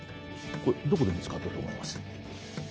これどこで見つかったと思います？